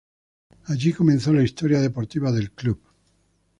Allí comenzó la historia deportiva del club.